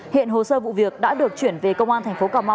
hiện hồ sơ vụ việc đã được chuyển về công an tp cm